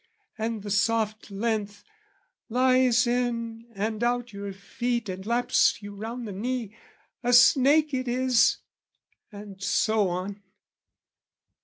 "And the soft length, lies in and out your feet "And laps you round the knee, a snake it is!" And so on.